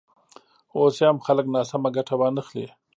اوس یې هم خلک ناسمه ګټه وانخلي.